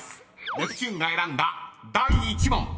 ネプチューンが選んだ第１問］